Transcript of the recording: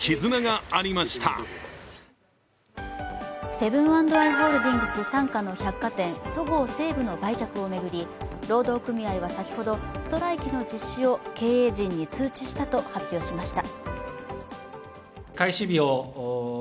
セブン＆アイ・ホールディングス傘下の百貨店、そごう・西武の売却を巡り、労働組合は先ほどストライキの実施を経営陣に通知したと発表しました。